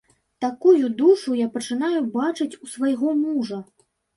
Такую душу я пачынаю бачыць у свайго мужа.